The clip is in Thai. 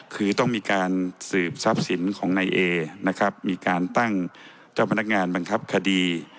คือต้องมีการสืบทรัพย์สินของนายเอนะครับมีการตั้งเจ้าพนักงานบังคับคดี